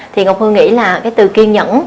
thì ngọc hương nghĩ là cái từ kiên nhẫn